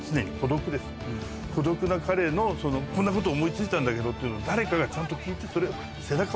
孤独な彼の「こんなこと思い付いたんだけど」っていうのを誰かがちゃんと聞いてそれを。